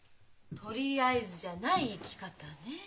「とりあえずじゃない生き方」ねえ。